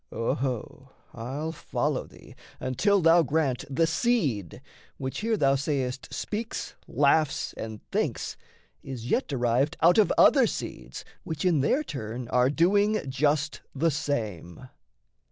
Oho, I'll follow thee until thou grant The seed (which here thou say'st speaks, laughs, and thinks) Is yet derived out of other seeds Which in their turn are doing just the same.